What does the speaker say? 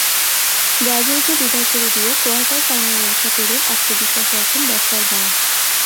ব্রাজিলকে বিদায় করে দিয়ে কোয়ার্টার ফাইনালে ওঠা পেরুর আত্মবিশ্বাসে এখন বর্ষার বান।